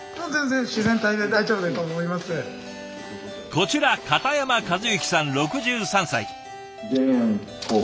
こちら片山和之さん６３歳。